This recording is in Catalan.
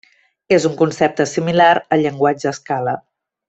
És un concepte similar al llenguatge Scala.